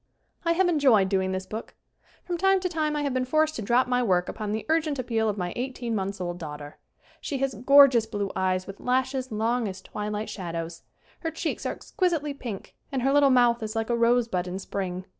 I have enjoyed doing this book. From time to time I have been forced to drop my work upon the urgent appeal of my eighteen months' old daughter. She has gorgeous blue eyes with lashes long as twilight shadows. Her cheeks are exquisitely pink and her little mouth is like a rose bud in spring.